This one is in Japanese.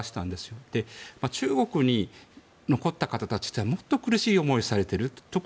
中国に残った方たちってもっと苦しい思いをされている。